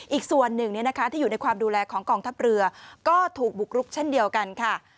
อีกส่วนหนึ่งที่อยู่ในความดูแลของกองทัพเรือก็ถูกบุกรุกเช่นเดียวกันค่ะ